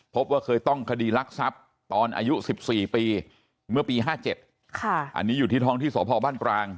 พบว่าเคยต้องคดีรักทรัพย์ตอนอายุ๑๔ปีเมื่อปี๕๗อันนี้อยู่ที่ท้องที่สพบ้านปราง